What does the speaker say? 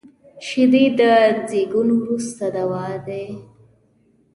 شیدې د زیږون وروسته دوا دي